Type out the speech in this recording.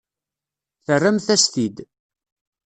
Terramt-as-t-id.